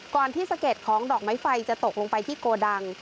ที่สะเก็ดของดอกไม้ไฟจะตกลงไปที่โกดัง